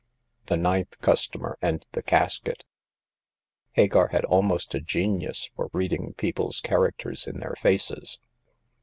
THE NINTH CUSTOMER AND THE CASKET. Hagar had almost a genius for reading peo ple's characters in their faces.